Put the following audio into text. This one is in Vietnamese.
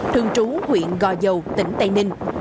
thường trú huyện gò dầu tỉnh tây ninh